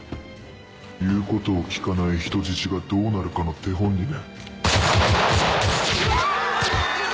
言うことを聞かない人質がどうなるかの手本にね。